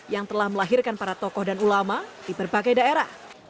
yang telah melahirkan para tokoh dan ulama di berbagai daerah